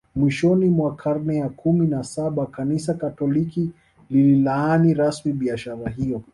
Mwishoni mwa karne ya kumi na Saba Kanisa Katoliki lililaani rasmi biashara hiyo